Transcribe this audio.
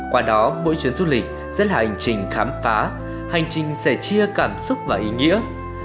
qua đó mỗi chuyến du lịch sẽ là hành trình khám phá hành trình sẽ chia cảm xúc và ý nghĩa